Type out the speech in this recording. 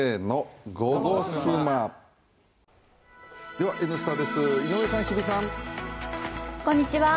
では、「Ｎスタ」です井上さん、日比さん。